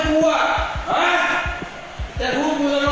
กลับไปกัน